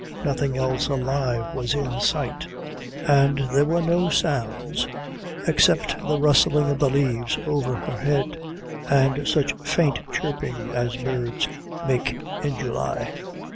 Nothing else alive was in sight, and there were no sounds except the rustling of the leaves over her head and such faint chirping as birds make in July.